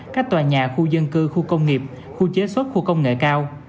các tòa nhà khu dân cư khu công nghiệp khu chế xuất khu công nghệ cao